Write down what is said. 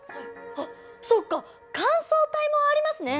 あっそうか乾燥帯もありますね。